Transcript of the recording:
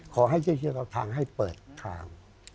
ขอให้เจ้าเชียร์เขาทางให้เปิดทาง